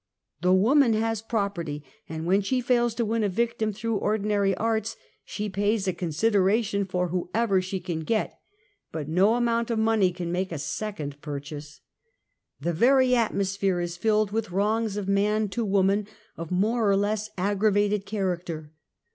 The woman has property, and when she fails to 'win a victim through ordinary arts, she pays a con [ sideration for whoever she can get, but no amount of \money can make a second purchase. The very atmosphere is filled with wrongs of man to woman of more or less aggravated character.